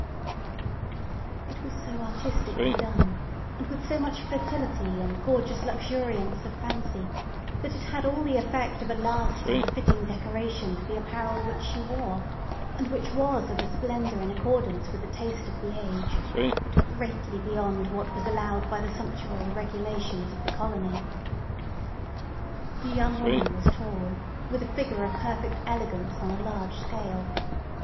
It was so artistically done, and with so much fertility and gorgeous luxuriance of fancy, that it had all the effect of a last and fitting decoration to the apparel which she wore, and which was of a splendour in accordance with the taste of the age, but greatly beyond what was allowed by the sumptuary regulations of the colony. The young woman was tall, with a figure of perfect elegance on a large scale.